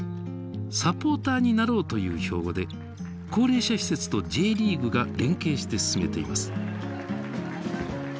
サポーターになろう！」という標語で高齢者施設とＪリーグが連携して進めています。